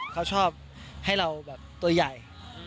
เขาชอบให้เราแบบตัวใหญ่